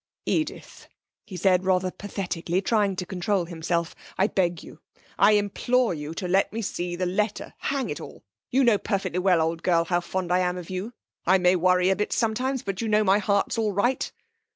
'Edith,' he said rather pathetically, trying to control himself. 'I beg you, I implore you to let me see the letter! Hang it all! You know perfectly well, old girl, how fond I am of you. I may worry you a bit sometimes, but you know my heart's all right.'